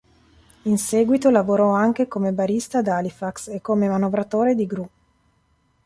In seguito lavorò anche come barista ad Halifax e come manovratore di gru.